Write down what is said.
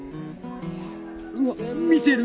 うわ見てる。